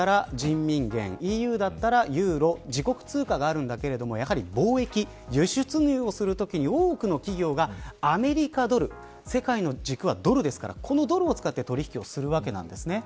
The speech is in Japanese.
中国だったら人民元ＥＵだったらユーロ自国通貨があるけど、やはり貿易輸出入をするときに多くの企業がアメリカドル世界の軸はドルですからこのドルを使って取引をします。